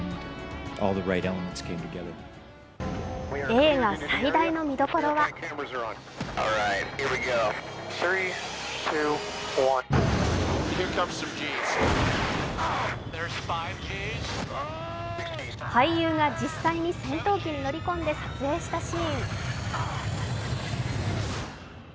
映画最大の見どころは俳優が実際に戦闘機に乗り込んで撮影したシーン。